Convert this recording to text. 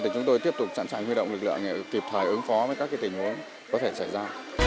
chúng tôi tiếp tục sẵn sàng huy động lực lượng để kịp thời ứng phó với các tình huống có thể xảy ra